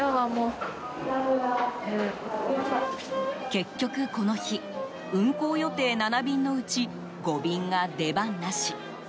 結局、この日運行予定７便のうち５便が出番なし。